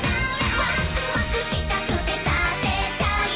「ワクワクしたくてさせちゃうよ」